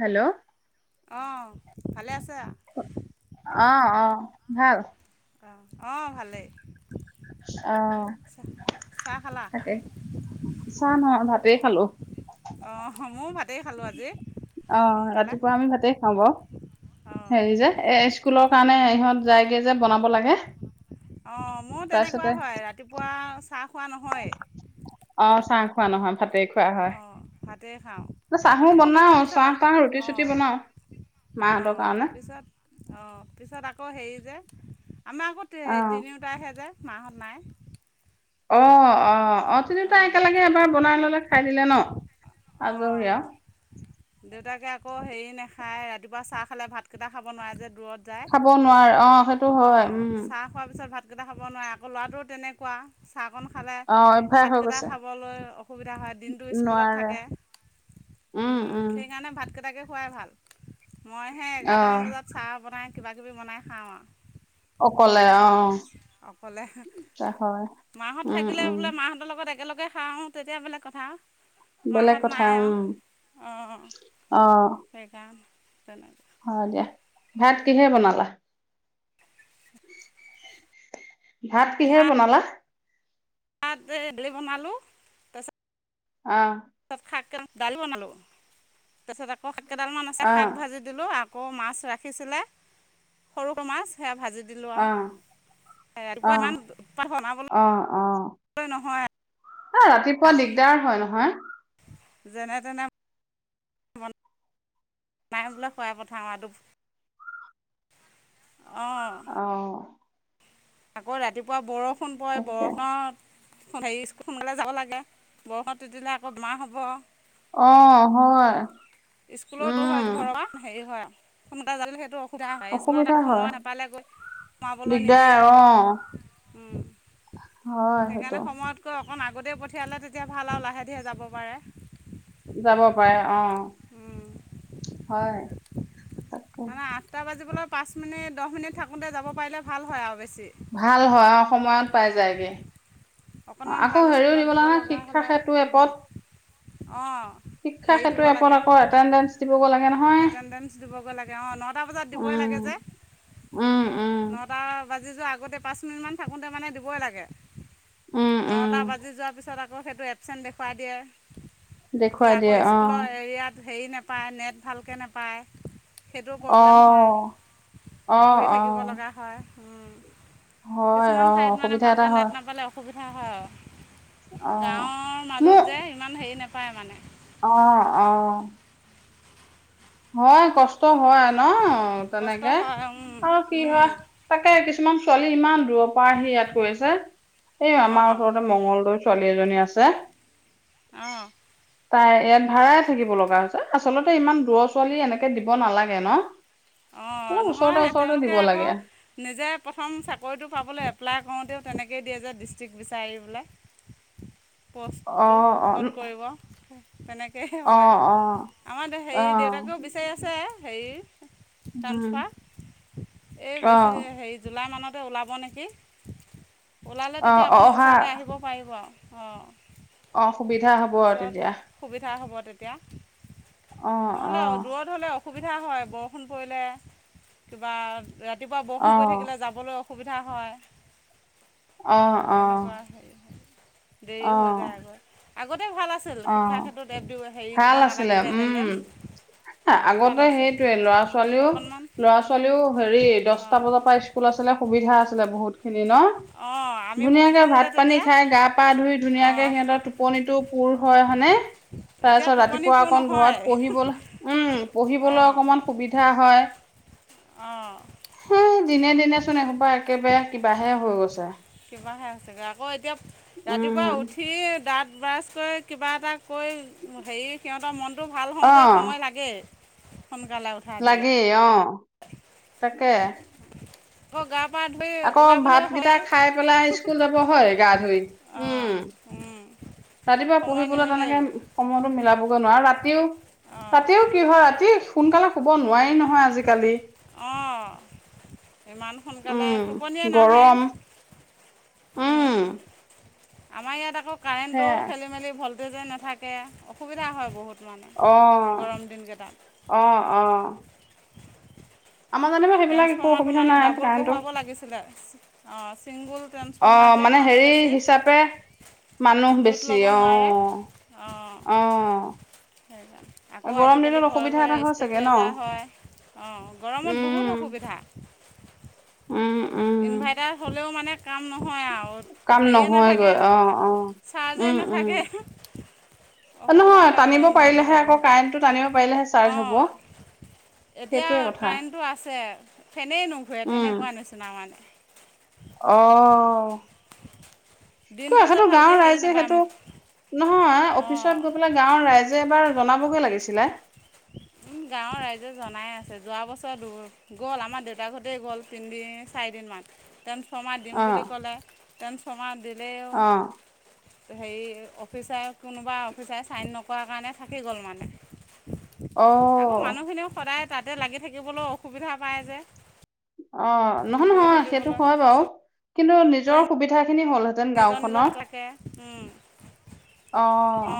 Hello অঁ ভালে আছ অ ভাল অঁ অঁ ভালেই। অ চাহ চাহ খালা তাকে চাহ নহয় ভাতেই খালো। অ ময়ো ভাতেই খালো আজি। অ সোনকালে ৰাতিপুৱা আমি ভাতে। হ'ব অঁ হেৰি যে এ স্কুলৰ কাৰণে ইহঁত যায়গে যে বনাব লাগে। অঁ মোৰ তেনেকুৱা তাৰপিছতে হয় ৰাতিপুৱা চাহ খোৱা নহয়। অ চাহ খোৱা নহয় ভাতে খোৱা। হয় অঁ ভাতেই খাওঁ চাহো আকৌ নহ'লে বনাও পিছত চাহ তাহ ৰুটি চুটি অঁ বনাও। মাহঁতৰ অঁ কাৰণে পিছত অঁ পিছত আকৌ হেৰি যে আমাৰ আকৌ অ স তিনিওটাইহে যে মা'হত নাই। অ অ অ তিনি তাই অঁ একেলগে এবাৰ বনাই ললে খাই দিলে ন। অ আজৰি আৰু দেউতাকক আকৌ হেৰি নাখায় ৰাতিপুৱা চাহ খালে ভাতকেইটা খাব নোৱাৰে যে। দূৰত যায় খাব নোৱাৰে অ সেইটো হয় উম। কেইটা খাব নোৱ আকৌ ল'ৰাটোও তেনেকুৱা। চাহকণ খালে অ অভ্যাস হৈ ভাতকেইটা গৈছে খাবলৈ অসুবিধা হয় দিনটো স্কুলত নোৱাৰে থাকে। উম উম সেইকাৰণে ভাতকেইটাকে খোৱাই ভাল মই সে অ এঘাৰটামান বজাত চাহ বনাই। কিবাকিবি বনাই খাওঁ আৰু অকলে তেনেকৈ অ। হয় মাহত উম থাকিলে উম বোলে মাহঁতৰ লগত একেলগে খাওঁ তেতিয়া বেলেগ কথা। বেলেগ মাহঁত কথা নাই আৰু উম আহ। কাৰ। হয় দিয়া ভাত কিহে বনালা। ভাত কিহেৰে বনালা? ভাত ডে বনালোঁ [unintelligible] অ তাৰপিছত শাক দালি বনালোঁ তাৰপছত আকৌ শাক কেইডালমান আছে অ শাক ভাজি দিলোঁ আকৌ। আকৌ মাছ ৰাখিছিলে সৰুকৈ মাছ সেয়া ভাজি। দিলো অ আৰু অ ৰাতিপুৱা ইমান বনাবলৈ নহয়। ন ৰাতিপুৱা আৰু দিগদাৰ হয় নহয়। যেনে তেনে, মন নাই বোলে, খোৱাই পঠাওঁ আৰু অঁ অ'। আকৌ ৰাতিপুৱা বৰষুণ পৰে, তাকে বৰষুণত হেৰি স্কুল সোনাকালে যাব লাগে, বৰষুণ তিতিলে আকৌ বেমাৰ হ'ব। অ', হয়। স্কুলো দূৰ হয় উম ঘৰৰ পৰা, হেৰি হয় সোনকালে যালে সেইটো [unintelligible] স্কুলত অসুবিধা আকৌ হয় সময়ত নাপালেগৈ সোমাবলৈ দিগদাৰ নিদিয়ে, অ উম। হয় সেইটো। অকন আগতে পঠিয়ালে তেতিয়া ভাল আও লাহে ধীৰে যাব পাৰে। যাব পাৰে অ', হয়। তাকে মানে আঠটা বাজিবলৈ পাঁচ মিনিট, দহ মিনিট থাকোতে যাব পাৰিলে ভাল হয় আৰু বে ভাল হয় অ', সময়ত পাই যায়গে। অ অকণমান আকৌ ভাল হেৰিও স্কুলত দিব লাগে নহয় লগা শিক্ষা হ'লে সেতু দূৰত, এপত অ'। শিক্ষা সেতু এপত আকৌ এটেণ্ডেন্স দিবগৈ লাগে ন এটেণ্ডেন্স দিবগৈ লাগে অ', নটা বাজাত দিবই লাগে উম, যে। উম, উম, নটা বাজি যোৱা আগতে পাচ মিনিট মান থাকোতে মানে দিয়েই লাগে। উম, উম, নটা বাজি যোৱা পিছত আ কৌ সেইটো এপচেণ্ট দেখুৱাই দিয়ে। সেই দেখুৱাই আকৌ দিয়ে অ', স্কুলৰ এৰিয়াত হেৰি নেপায়, নেট ভালকে নেপায়, সেইটো অ', প্ৰব্লেম হয় অ', ঘূৰি থাকিব অ', লগা হয়। উম, হয় কিছুমান অ', ঠাইত মানে অসুবিধা এটা ভালকে হয় নেট নাপালে অসুবিধা হয় আও। অ', গাঁৱৰ মাজত মোৰ যে, ইমান হেৰি নেপায় মানে। অ' অ'। হয় কষ্ট হয় ন কষ্ট তেনেকে, হয় আৰু কি হয় তাকে কিছ কিছুমান ছোৱালী ইমান দূৰৰ পৰা আহি ইয়াত কৰিছে, এই অঁ আমাৰ ওচৰতে মংগলদৈ ছোৱালী এজনী আছে। অ'। তাই ইয়াত ভাড়াই থাকিব লগা হৈছে, আচলতে ইমান দূৰৰ ছোৱালী এনেকে দিব নালাগে ন? অ', অলপ ওচৰতে নহয় ওচৰতে দিব তেওঁলোকে আকৌ লাগে। নিজে প্ৰথম চাকৰিটো পাবলে এপ্লাই কৰোতে তেনেকেই দিয়ে যে ডিষ্ট্ৰিক্ট বিচাৰি পেলাই পষ্টটো অ', অ', উম, ক'ত কৰিব। তেনেকে হে হয়। অ', অ', আমাৰ দে হেৰি অ', দেউতাকেও বিচাৰি আছে হেৰি উম, ট্ৰানস্ফাৰ, এই বেছি অ', হেৰি জুলাই মানত ওলাব নেকি, ওলালে অ', তেতিয়া অ অকণ অহা ওচৰলে আহিব পাৰিব আও, অ'। অ', সুবিধা হব আৰু তেতিয়া। সুবিধা হ'ব তেতিয়া নহ'লে অ দূৰত হ'লে অসুবিধা হয় বৰষুণ পৰিলে, কিবা ৰা ৰাতিপুৱা বৰষুণ পৰি অ', থাকিলে যাবলৈ অসুবিধা হয়। অ', অ', তেনেকুৱা হেৰি, অ দেৰি হৈ যায় গৈ। তে ভাল আছিল, অ শিক্ষাৰ ক্ষেত্ৰত এক ভাল আছিলে উম, ভাল আগতে আছিল সেইটোৱে ল'ৰা ছোৱালীও অকণমান ল'ৰা-ছোৱালীও হেৰি দছটা অঁ বজাৰ পৰা স্কুল আছিলে সুবিধা আছিলে বহুত খিনি ন? অ' ধুনীয়াকে ভাত-পানী খাই, গা-পা ধুই, ধুনীয়াকে অঁ সিহঁতৰ টোপনিতটো পুৰ হয়, হয়নে? এতিয়া তাৰছত টোপনি ৰাতিপুৱা পূৰ অকণ নহয় ঘৰত পঢ়িবলৈ উম, পঢ়িবলৈ অঁ অকমান সুবিধা হয়। অঁ হ দিনে-দিনেচোন এসোপা একেবাৰে কিবাহে হৈ গৈছে। কিবাহে হৈছে গৈ, আকৌ এতিয়া ৰাতিপুৱা উম উঠিয়েই দাঁত ব্ৰাছ কৰি, কিবা এটা কৰি, হেৰি সিহঁতৰ মনটো ভাল অ হওঁতে সময় লাগে। লাগি, অ' তাকে। হগা আকৌ ভাতকিটা খাই পেলাই স্কুল যাব হয় গা ধুই, অঁ উম। উম, ৰাতিপুৱা সময় পঢ়িবলৈ তেনেকে নিমিলেগৈ সময়তো মিলাবগৈ নোৱাৰো ৰাতিও অঁ তাও কি হয় ৰাতি সোনকালে শুব নোৱাৰি নহয় আজিকালি অঁ ইমান সোনকালে উম টোপনিয়ে নাহে উম, অম। আমাৰ ইয়াত আকৌ, হা যে নাথাকে অসুবিধা হয় বহুত। মানে আহ গৰম দিনকেইটাত আহ আহ ট্ৰেন্ঞ্চফৰ্মাৰটো অসুবিধা মানে নাই ডাবল কাৰেণ্টটো বহুৱাব লাগিছিলে অ। অ মানে হেৰি হিচাপে মানুহ লোড বেছি ল'ব নোৱাৰে আহ আহ। সেই আকৌ আজিকালি ঘৰে ঘৰে এটা হয় চাগে ন ষ্টেবিলাইজাৰ হয় অঁ গৰমত বহুত উম সুবিধা উম উম ইনভাৰ্টাৰ হ'লেও মানে কাম নহয় আৰু কাম হেৰিয়ে নাথাকে নহয়গৈ অ অ চাৰ্জে উম উম নাথাকে অসুবিধা নহয় হয় টানিব গৰম পাৰিলেহে দিনকেইটাত আকৌ বহুত কাৰেণ্টটো টানিব পাৰিলেহে চাৰ্জ অঁ হ'ব এতিয়া সেইটোৱে কথা কাৰেণ্টটো আছে ফেনেই নুঘূৰে তেনেকুৱা নিচিনা মানে আহ দিনটো যে ভালকে হেৰি নেপাম নহয় অফিচত গৈ পেলাই গাঁৱৰ ৰাইজে এবাৰ জনাবগৈ লাগিছিল গাঁৱৰ ৰাইজে জনাই আছে যোৱা বছৰ দূ গ'ল আমাৰ দেউতাৰ হতে গ'ল তিনদিন চাৰিদিন টেম শমাহ দিম অ বুলি ক'লে টেম শমাহ দিলেও অ হেৰি অফিচাৰ কোনোবা অফিচাৰে ছাইন নকৰৰা কাৰণে থাকি গ'ল মানে অ আকৌ মানুহখিনিও সদায় তাতে লাগি থাকিবলৈ অসুবিধা পায় যে অ নহয় গৈ নহয় সেইটো থাকিবলৈ হয় বাৰু কিন্তু নিজৰ চবৰে সুবিধা নিজৰ নিজৰ থাকে অ উ অ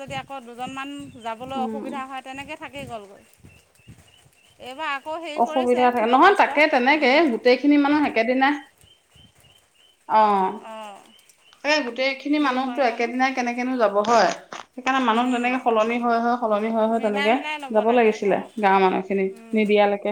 যদি আকৌ দুজনমান যাবলৈ উম অসুবিধা হয় তেনেকৈ থাকি গ'লগৈ এইবাৰ আকৌ হেৰি অসুবিধা কৰিছে থাকে নহয় দৰ্খাস্ত তাকে তেনেকে গোটেইখিনি মানুহ একেদিনা অ অঁ এই গোটেইখিনি কি মানুহতো হয় জানো একেদিন কেনেকেনো যাব হয় সেইকাৰণে মানুহ উম, যেনেকে সলনি হয়ক সলনি হয় হয় মিলাই তেনেকে মিলাই ল'ব যাব লাগে আকৌ লাগিছিলে গাঁৱৰ মানুহ খিনি উম, নিদিয়ালৈকে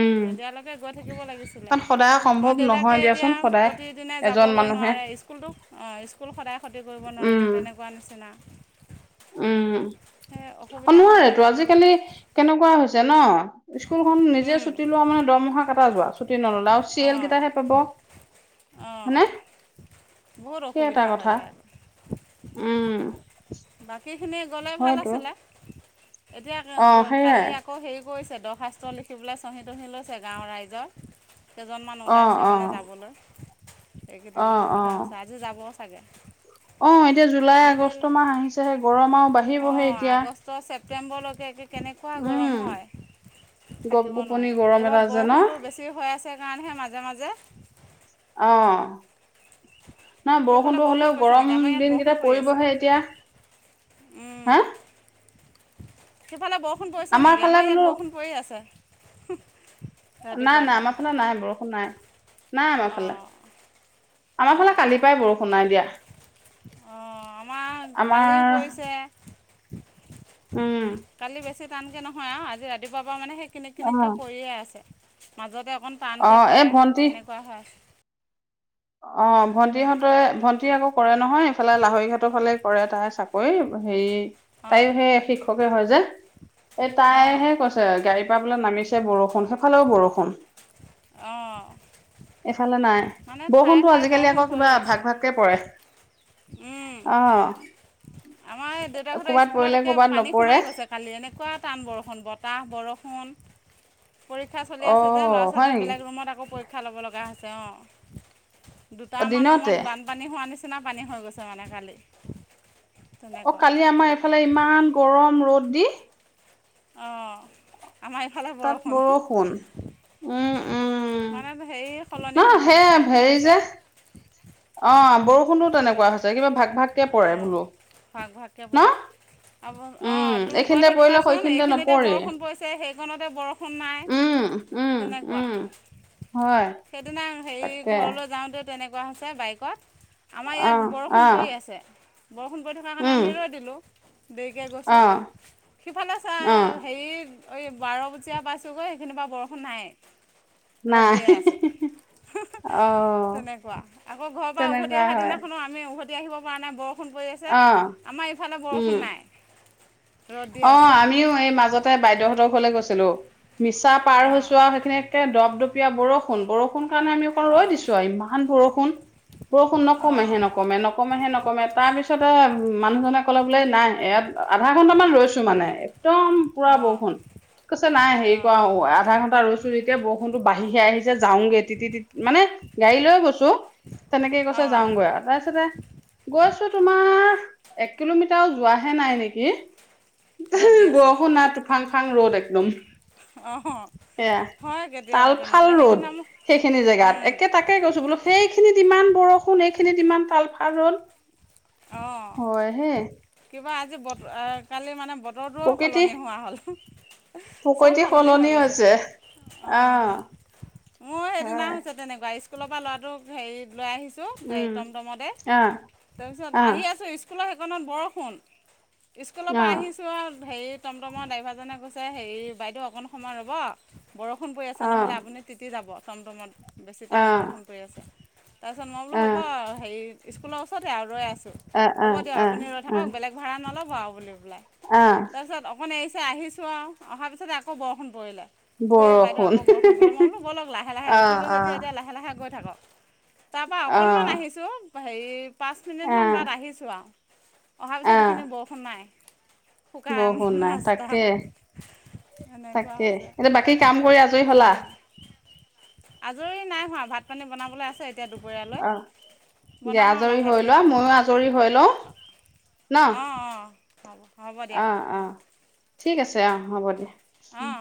উম নিদিয়ালৈকে গৈ থাকিব লাগিছিলে কাৰণ সদায় সম্ভৱ আমাৰ নহয় দেউতাকে দিয়াচোন এতিয়া সদায় প্ৰতিদিনে এজন যাবলৈ মানুহে নোৱাৰ স্কুলটোক অঁ স্কুল সদায় ক্ষতি কৰিব নোৱাৰে উম তেনেকুৱা নিচিনা সেই অসুবিধা উম হৈ নোৱাৰেটো যায়গৈ বহুত। আজিকালি কেনেকুৱা হৈছে ন স্কুলখন নিজে উম, ছুটি লোৱা মানে দৰমহা কেইটা যোৱা ছুটি নললে আৰু চিল অঁ কেইটাহে পাব [unintelligible] অঁ বহুত সেই এটা অসুবিধা হৈ কথা যায়। উম বাকীখিনি গ'লে ভাল হয়তো আছিলে এতিয়া অ সেইয়াই কালি আকৌ হেৰি কৰিছে চেদশ শাস্ত্ৰ লিখিবলৈ চঁহী তঁহি লৈছে গাঁৱৰ ৰাইজক [unintelligible] কেইজনমান অ ওলাইছে অ মানে যাবলৈ এইকেইদিন অ অ অসুবিধা হৈছে আজি যাব চাগে অ এতিয়া জুলাই আহি আগষ্ট দিলে মাহ আহিছেহে গৰমাও বাঢ়িবহে অঁ এতিয়া আগষ্ট ছেপ্টেম্বৰলৈকে কেনেকুৱা গৰম উম হয় গপ থাকিব গোপনি নোৱাৰি গৰম এটা এইবাৰ যে ন বৰষুণটো বেছি হৈ আছে কাৰণেহে মাজে মাজে অঁ নহ সেইফালে বৰষুণটো বৰষুণ হ'লেও পৰিছে গৰম নেকি আমাৰ ইয়াত দিনকেইটা বৰষুণ পৰি আছে পৰিবহে এতিয়া হা সেইফালে বৰষুণ পৰিছে নেকি ফালে আমাৰ বোলো ইয়াত বৰষুণ পৰি আছে নাই ৰাতিপুৱাৰ নাই পৰা আমাৰ ফালে নাই বৰষুণ নাই নাই আমাৰ ফালে অঁ আমাৰ ফালে অঁ কালি পাই বৰষুণ নাই দিয়া অঁ আমাৰ আমাৰ কালিও পৰিছে উম কালি বেছি টানকে নহয় আৰু আজি ৰাতিপুৱাৰ পৰা মানে। কেনেক অ কেনেককৈ পৰিয়ে আছে মাজতে অকণ অ টানকৈ এই পৰে ভন্টি তেনেকুৱা হৈ আ অ ভন্টিহঁতে ভন্টি আকৌ কৰে নহয় এইফালে লাহৰি ঘতৰ ফালে কৰে তাই চাকৰি হেৰি অঁ তাইও সেই শিক্ষকে হয় যে। এই অঁ তাইহে কৈছে গাড়ীৰ পৰা বোলে নামিছে বৰষুণ সেইফালেও বৰষুণ। অঁ এইফালে নাই মানে ঠায়ে বৰষুণতটো ঠায়ে আজিকালি আকৌ কিবা ভাগ ভাগকে পৰে। উম। অ আমাৰ দেউতাকাহঁতেৰ ক'ৰবাত স্কুলত পৰিলে একে ক'ৰবাত পানী নপৰে সোমাই গৈছে কালি এনেকুৱা টান বৰষুণ বতাহ বৰষুণ। পৰীক্ষা চলি অ আছে যে ল'ৰা হয় ছোৱালী নেকি বেলেগ ৰুমত আকৌ পৰীক্ষা ল'ব লগা হৈছে অঁ। অ দুটামান দিনতে ৰুমত বানপানী হোৱা নিচিনা পানী হৈ গৈছে মানে কালি অ তেনেকুৱা কালি আমাৰ এইফালে ইমান গৰম ৰ'দ দি। অহঁ তাত বৰষুণ উম। উম মানে হেৰি সলনি হৈ নহ থাকে সেই ঠাইতে হেৰি ঠাইতে। যে অ বৰষুণো তেনেকুৱা হৈছে কিবা ভাগ ভাগকে পৰে বোলো ন একেবাৰে আ অ উম তুমি গৈ এইখিনিতে পৰিলে থাকিবাচোন সেইখিনিতে এইখিনিতে নপৰে বৰষুণ পৰিছে, সেইকণতে বৰষুণ নাই। উম উম তেনেকুৱা। উম হয়। সেইদিনা হেৰি তাকে ঘৰলৈ যাওঁতে তেনেকুৱা হৈছে বাইকত। আমাৰ অ ইয়াত বৰষুণ অ পৰি আছে, বৰষুণ পৰি থকাৰ কাৰণে উম আমি ৰৈ দিলোঁ। দেৰিকৈ অ গৈছোঁ সিফালে চ অ হেৰি। অ বাৰ বজীয়া পাইছোগৈ সেইখিনিৰ পৰা বৰষুণ নাই। ৰ'দ নাই। দিয়ে হে হে আছে হে হে তেনেকুৱা আকৌ ঘৰৰ পৰা উভতি তেনেকুৱা অহাৰ হয় দিনাখনো আমি। উভতি আহিব পৰা নাই বৰষুণ পৰি আছে অ আমাৰ ইফালে বৰষুণ উম নাই। ৰ'দ দি অ আছে আমিও এই মাজতে বাইদেউহঁতৰ ঘলৈ গৈছিলো। মিছা পাৰ অঁ হৈছো আৰু সেইখিনিতে দপদপীয়া বৰষুণ বৰষুণ। কাৰণে আমি অকণ ৰৈ অঁ দিছো আৰু ইমান বৰষুণ। বৰষুণ নকমে অঁ হে নকমে -নকমে হে নকমে তাৰ পিছতে মানুহজনেক কল বোলো নাই ইয়াত আধা ঘন্টামান ৰৈছো মানে একদম পুৰা অঁ বৰষুণ [unintelligible] কৈছে নাই হেৰি অঁ কৰাৱা আধা ঘণ্টা ৰৈছো যেতিয়া বৰষুণটো বাঢ়ি আহিছে যাওঁগে তি তি মানে। [unintelligible] গাড়ী লৈ গৈছো তেনেকে কৈছে অঁ যাওগৈ তাৰপিছতে। [unintelligible] গৈছো তোমাৰ এক কিলোমিটাৰ যোৱাহে নাই নেকি। ৰ'দ দি আছে বৰষুণ নাই টোফাংফাং ৰ'দ একদম [unintelligible] অঁ সেয়া হয় তাল কেতিয়াবা ফাল তেনেকুৱা ৰ'দ সেইদিনা মোৰ। সেইখিনি জেগাত একে তাকে গৈছো বোলো সেইখিনিত ইমান বৰষুণ সেইখিনিত ইমান। চাল ফাৰল ৰ'দ হয় হে। তাৰ আজি বতৰ কালি মানে বতৰটোও প্ৰকৃতি সলনি হোৱা হ'ল চব প্ৰকৃতি হৈ সলনি গৈছে হৈছে। অঁ অহ মোৰ সেইদিনা হৈছে তেনেকুৱা স্কুল স্কুলৰ পৰা ল'ৰাটোক হেৰিত লৈ আহিছোঁ। হে উম টমটমতে আহ তাৰপিছত আহ আহি আছোঁ স্কুলৰ সেইকণত বৰষুণ, স্কুলৰ পৰা আহিছোঁ আৰু হেৰিত তমতমৰ ড্ৰাইভাৰজনে কৈছে হেৰি বাইদেউ অকণ সময় ৰ'ব বৰষুণ পৰি আছে আহ নহ'লে আপুনি তিতি যাব টমটমত বেছি আহ টান আহ বৰষুণ পৰি আছে। তাৰপিছত মই বোলো হ'ব আহ হে স্কুলৰ ওচৰতে আৰু ৰৈ আছোঁ আহ [unintelligible] হ'ব আহ দিয়ক আহ আপুনি ৰৈ আহ থাকক বেলেগ ভাড়া নলও [unintelligible] ব আৰু বুলি পেলাই আহ তাৰপিছত অকণ এৰিছে আহিছোঁ আৰু অহাৰ পিছতে আকৌ বৰষুণ পৰিলে। [unintelligible] যে বাইদেউ বৰষুণ আকৌ বৰষুণ কৰিলে মই বোলো ব'লক লাহে- লাহে আহ উঠিলোঁ যেতিয়া, আহ এতিয়া লাহে -লাহে গৈ থাকক। তাৰ পৰা অকনমান আহ আহিছো হেৰি পাঁচ মিনিট মান আহ ছোঁৱো আৰু অহাৰ পিছত আহ এইখিনি বৰষুণ নাই। সুকান বৰষুণ নাই ৰাস্তা। তাকে এনেকুৱা তাকে হৈছে। এতিয়া বাকী কাম কৰি আজৰি হলা আজৰি নাই হোৱা ভাত পানী বনাবলৈ আছে এতিয়া দুপৰীয়ালৈ অ দিয়া বনাম আৰু আজৰি লাহে হৈ ধীৰে লোৱা ময়ো আজৰি হৈ লও অঁ অঁ হ'ব হ'ব দিয়া অ অ অঁ- ঠিক আছে আহ হ'ব দিয়া। অঁ